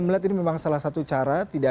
melihat ini memang salah satu cara tidak